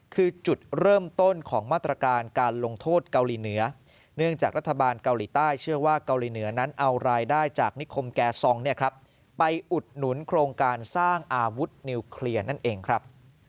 คือจุดเริ่มต้นของมาตรการการลงโทษเกาหลีเหนือเนื่องจากรัฐบาลเกาหลีใต้เชื่อว่าเกาหลีเหนือนั้นเอารายได้จากนิคมแกซองไปอุดหนุนโครงการสร้างอาวุธนิวเคลียร์นั่นเองครับ